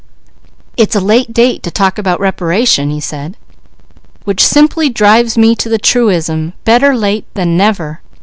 "It's a late date to talk about reparation," he said. "Which simply drives me to the truism, 'better late than never!'